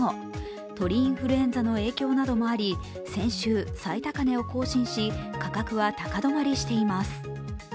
鳥インフルエンザの影響などもあり、先週、最高値を更新し、価格は高止まりしています。